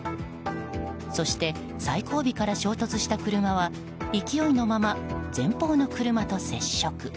そして、最後尾から衝突した車は勢いのまま前方の車と接触。